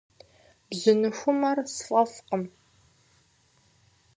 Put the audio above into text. Бжьыныхумэр сфӏэфӏкъым.